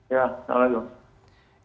ya selamat siang